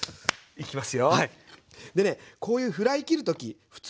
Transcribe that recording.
いきます